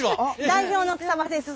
代表の草場です。